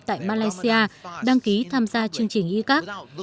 tại malaysia đăng ký tham gia chương trình e card